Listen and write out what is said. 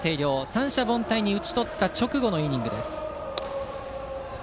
三者凡退に打ち取った直後のイニングです。